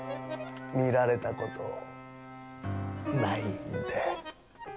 見られたことないんで。